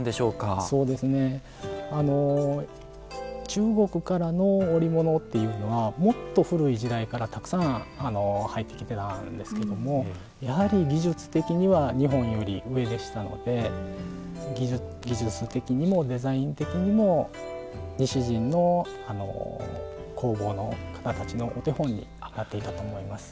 中国からの織物っていうのはもっと古い時代からたくさん入ってきてたんですけどもやはり技術的には日本より上でしたので技術的にもデザイン的にも西陣の工房の方たちのお手本になっていたと思います。